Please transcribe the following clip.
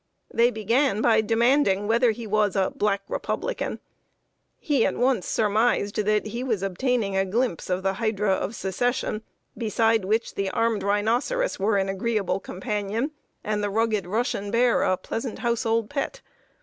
They began by demanding whether he was a Black Republican. He at once surmised that he was obtaining a glimpse of the hydra of Secession, beside which the armed rhinoceros were an agreeable companion, and the rugged Russian bear a pleasant household pet.